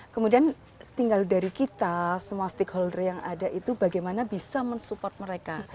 kemudian tinggal dari kita semua stakeholder yang ada itu bagaimana bisa mensupport mereka